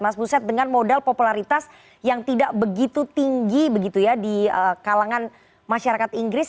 mas buset dengan modal popularitas yang tidak begitu tinggi begitu ya di kalangan masyarakat inggris